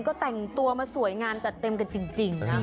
ต้องแสงตัวมาสวยงานจัดเต็มกันจริง